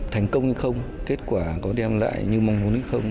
thành công hay không kết quả có đem lại như mong muốn hay không